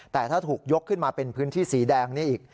แต่ถ้าถูกยกขึ้นมาเป็นพื้นที่สีแดงนี่อีก